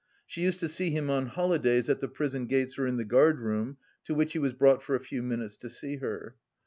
She used to see him on holidays at the prison gates or in the guard room, to which he was brought for a few minutes to see her.